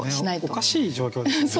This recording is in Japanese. おかしい状況ですもんね。